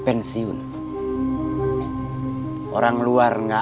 bangun bangunro je dor